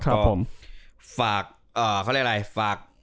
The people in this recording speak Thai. ก็ฝาก